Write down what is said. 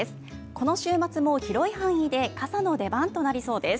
この週末も広い範囲で傘の出番となりそうです。